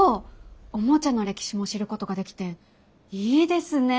おもちゃの歴史も知ることができていいですね。